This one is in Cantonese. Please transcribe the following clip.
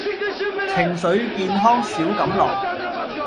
情緒健康小錦囊